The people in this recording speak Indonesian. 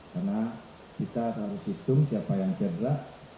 karena kita harus hitung siapa yang cedera